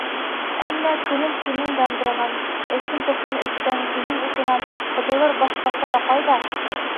Әммә көнөн-төнөн яндырған, эсе-тышын өткән һөйөү утынан ҡотолор башҡа сара ҡайҙа?!